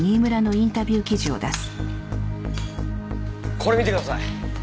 これ見てください。